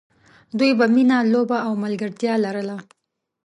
دوی به مینه، لوبه او ملګرتیا لرله.